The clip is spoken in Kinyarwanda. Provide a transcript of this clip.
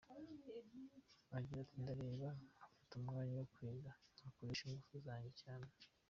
Agira ati “Ndareba ngafata umwanya wo kwiga, ngakoresha ingufu zanjye cyane.